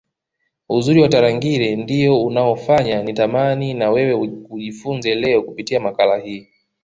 Uzuri wa Tarangire ndio unaofanya nitamani na wewe ujifunze leo kupitia makala hii